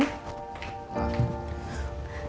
kamu udah bangun